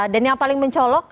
dan yang paling mencolok